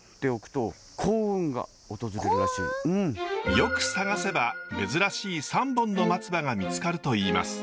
よく探せば珍しい３本の松葉が見つかるといいます。